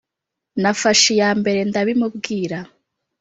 Nafashe iyambere ndabimubwira